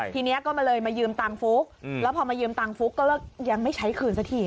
ทีนี้ก็เลยมายืมตังค์ฟุ๊กแล้วพอมายืมตังค์ฟุ๊กก็ยังไม่ใช้คืนสักที